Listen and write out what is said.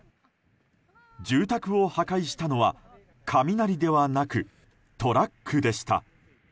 住宅を破壊したのは雷ではなくトラックでした。